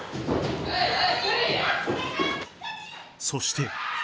そして。